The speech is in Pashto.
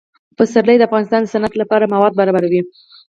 پسرلی د افغانستان د صنعت لپاره مواد برابروي.